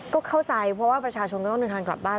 ก็เข้าใจเพราะว่าประชาชนก็ต้องเดินทางกลับบ้าน